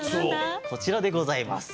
こちらでございます。